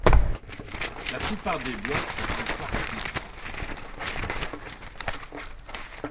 La plupart des blocs sont en quartzite.